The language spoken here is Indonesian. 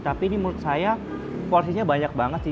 tapi ini menurut saya porsinya banyak banget sih